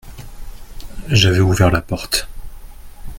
J’avais ouvert la porte.